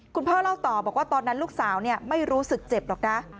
พ่อเล่าต่อบอกว่าตอนนั้นลูกสาวไม่รู้สึกเจ็บหรอกนะ